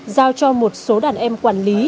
giao cho một số đàn em quản lý